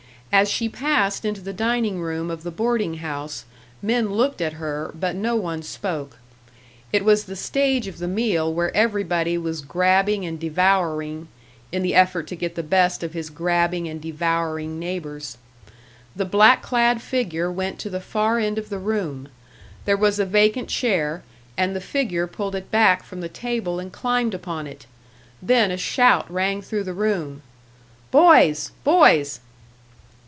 As she passed into the dining room of the boarding house, men looked at her, but no one spoke. It was the stage of the meal where everybody was grabbing and devouring, in the effort to get the best of his grabbing and devouring neighbours. The black clad figure went to the far end of the room; there was a vacant chair, and the figure pulled it back from the table and climbed upon it. Then a shout rang through the room: "Boys! Boys!"